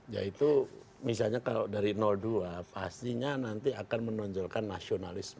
yaitu misalnya kalau dari dua pastinya nanti akan menonjolkan nasionalisme